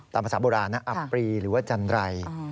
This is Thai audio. ตามภาษาโบราณนะอับปรีหรือว่าจันไร